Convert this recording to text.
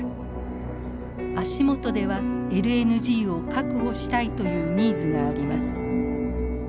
足元ではＬＮＧを確保したいというニーズがあります。